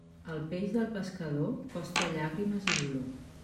El peix del pescador costa llàgrimes i dolor.